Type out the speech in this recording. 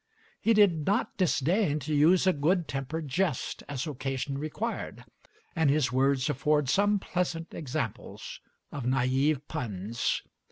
He did not disdain to use a good tempered jest as occasion required, and his words afford some pleasant examples of naïve puns.